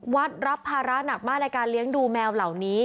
รับภาระหนักมากในการเลี้ยงดูแมวเหล่านี้